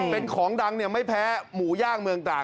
เป็นของดังไม่แพ้หมูย่างเมืองตราด